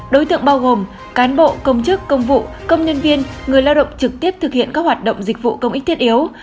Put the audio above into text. đối tượng bao gồm cán bộ công chức công vụ công nhân viên người lao động trực tiếp thực hiện các hoạt động dịch vụ công ích thiết yếu